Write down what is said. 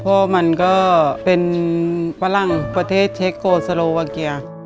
เพราะมันก็เป็นฝรั่งประเทศเชคโกสโลวาเกีย